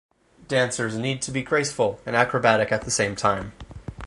Dancers need to be graceful and acrobatic at the same time.